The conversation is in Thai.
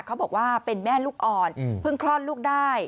เขาบอกว่าเป็นแม่ลูกอ่อนเพิ่งคลอดลูกได้